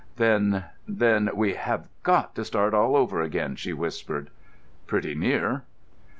"Then—then we have got to start all over again," she whispered. "Pretty near."